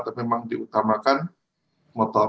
tapi memang diutamakan motor